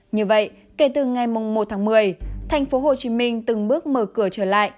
như vậy kể từ ngày một tháng một mươi thành phố hồ chí minh từng bước mở cửa trở lại